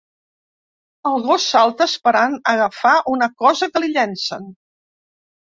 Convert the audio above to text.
El gos salta esperant agafar una cosa que li llencen.